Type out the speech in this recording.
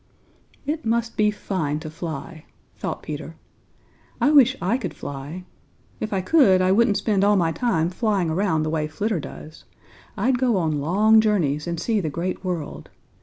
"It must be fine to fly," thought Peter. "I wish I could fly. If I could, I wouldn't spend all my time flying around the way Flitter does. I'd go on long journeys and see the Great World.